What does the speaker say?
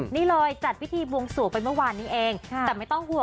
นี่เลยจัดวิธีบวงสวบไปเมื่อวานนี้เอง